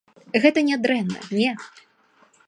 Гэта не дрэнна, не.